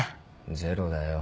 ゼロだよ。